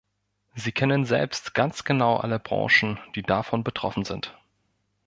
Sie kennen selbst ganz genau alle Branchen, die davon betroffen sind.